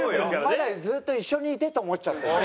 まだずっと一緒にいてと思っちゃった今。